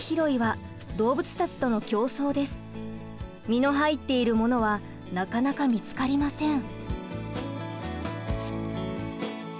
実の入っているものはなかなか見つかりません。